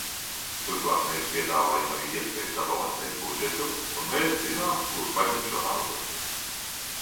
Turklāt mēs piedāvājam arī iespēju sabalansēt budžetu, un mēs zinām, kur paņemt šo naudu.